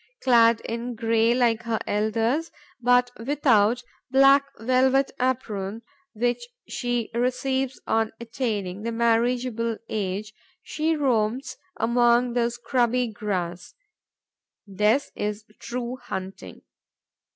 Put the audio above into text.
Clad in grey like her elders, but without the black velvet apron which she receives on attaining the marriageable age, she roams among the scrubby grass. This is true hunting.